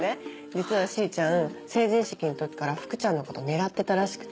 実はしーちゃん成人式の時から福ちゃんのこと狙ってたらしくて。